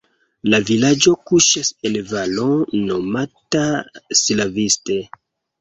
La vilaĝo kuŝas en valo nomata Slaviste.